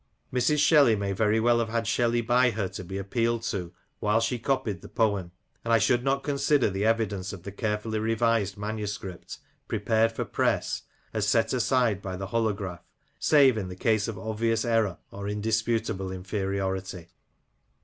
Mrs. Shelley may very well have had Shelley by her to be appealed to while she copied the poem ; and I should not consider the evidence of the carefully revised manuscript, prepared for press, as set aside by the holograph save in case of obvious error or indisputable inferiority.